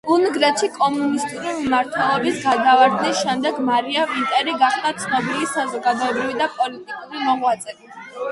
უნგრეთში კომუნისტური მმართველობის გადავრდნის შემდეგ მარია ვინტერი გახდა ცნობილი საზოგადოებრივი და პოლიტიკური მოღვაწე.